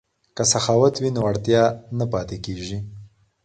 که سخاوت وي نو اړتیا نه پاتیږي.